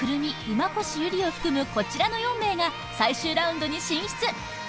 馬越友梨を含むこちらの４名が最終ラウンドに進出